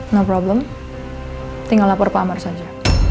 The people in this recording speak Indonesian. no problem tinggal lapor pak amar saja